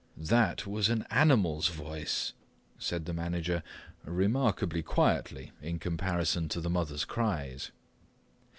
"That was an animal's voice," said the manager, remarkably quietly in comparison to the mother's cries.